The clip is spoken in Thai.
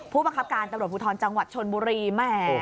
ผู้บังคับการตำรวจภูทรจังหวัดชนบุรีแหม